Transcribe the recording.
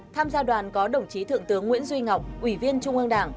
tham gia đoàn có đồng chí thượng tướng nguyễn duy ngọc ủy viên trung ương đảng